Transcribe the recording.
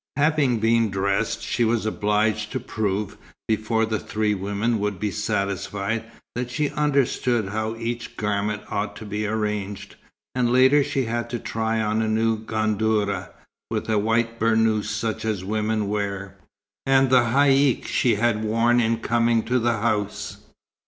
Having been dressed, she was obliged to prove, before the three women would be satisfied, that she understood how each garment ought to be arranged; and later she had to try on a new gandourah, with a white burnouse such as women wear, and the haïck she had worn in coming to the house.